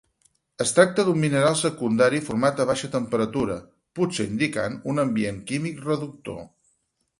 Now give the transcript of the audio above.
Es tracta d'un mineral secundari format a baixa temperatura, potser indicant un ambient químic reductor.